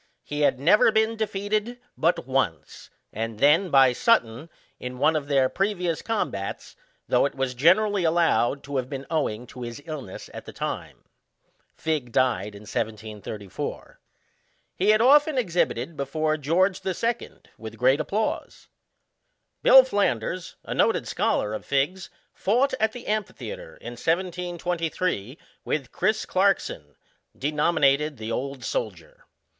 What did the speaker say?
He had never been defeated but once, and then by Sutton, in one of their previous combats, though it was generally allowed to have been owing to his illnes at the time. Figg died in 1734. He had often ex hibited before. George the Second, with great applause. Bill Flanders, a noted scholar of Figg's fought, at the amphitheatre, in 1723, with Chris. Clarkson, denominated the Old Soldier.